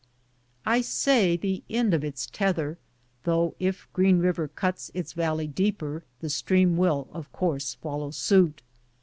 I say the end of its tether, though if Green River cuts its valley deeper, the stream will of course follow suit.